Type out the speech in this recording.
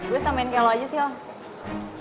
gua samain kayak lu aja sih loh